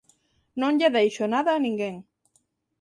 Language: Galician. Non lle deixo nada a ninguén.